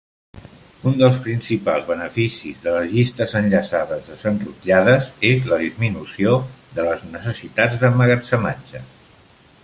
Un dels principals beneficis de les llistes enllaçades desenrotllades és la disminució de les necessitats d'emmagatzematge.